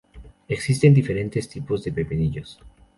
Existen diferentes tipos de pepinillos.